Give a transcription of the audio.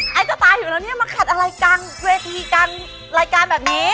ฮะไอ้เจ้าตายอยู่แล้วเนี่ยมาขัดอะไรกันเวทีกันรายการแบบนี้